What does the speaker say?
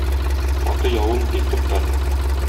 Каты явым тиз туктар.